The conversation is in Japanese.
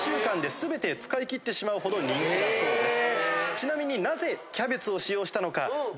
ちなみに。